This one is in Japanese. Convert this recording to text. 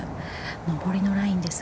上りのラインです。